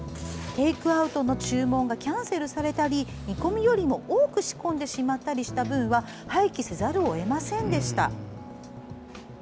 テイクアウトの注文がキャンセルされたり見込みよりも多く仕込んでしまったりした分は廃棄せざるを得ませんでした。